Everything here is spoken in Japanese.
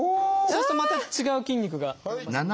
そうするとまた違う筋肉が伸びますね。